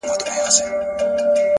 • زنګ وهلی د خوشال د توري شرنګ یم؛